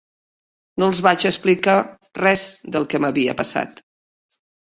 No els vaig explicar res del que m’havia passat.